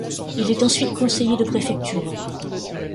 Il est ensuite conseiller de préfecture.